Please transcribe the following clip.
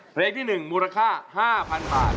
เพลงที่๑มูลค่า๕๐๐๐บาท